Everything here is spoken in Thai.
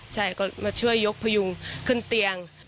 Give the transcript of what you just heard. ใช่ก็มาช่วยยกพยุงขึ้นเตียง